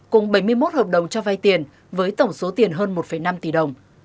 cùng bảy mươi một hợp đồng cho vay tiền với tổng số tiền hơn một năm